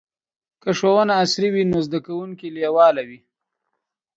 که ښوونه عصري وي نو زده کوونکي لیواله وي.